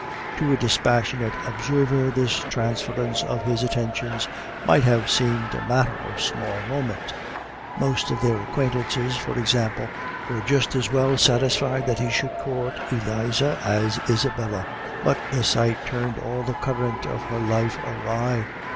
To a dispassionate observer this transference of his attentions might have seemed a matter of small moment. Most of their acquaintances, for example, were just as well satisfied that he should court Eliza as Isabella. But the sight turned all the current of her life awry.